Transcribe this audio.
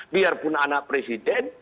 biarpun anak presiden